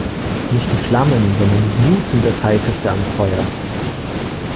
Nicht die Flammen, sondern die Glut sind das Heißeste am Feuer.